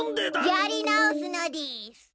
やり直すのでぃす。